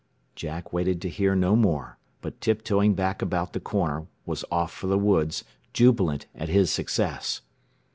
Jack waited to hear no more, but tiptoeing back about the corner, was off for the woods, jubilant at his success.